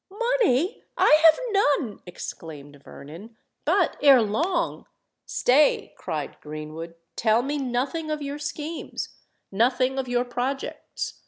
"Money!—I have none!" exclaimed Vernon. "But ere long——" "Stay!" cried Greenwood: "tell me nothing of your schemes—nothing of your projects!